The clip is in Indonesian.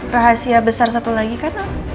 rahasia besar satu lagi karena